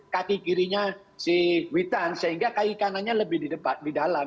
kaki kirinya si witan sehingga kaki kanannya lebih di debat di dalam